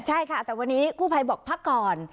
ใช่ค่ะแต่วันนี้กู้ภัยบอกพักก่อน